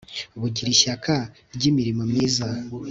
bugira ishyaka ryimirimo myiza